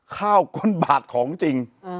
ข้าวก้นบาทของจริง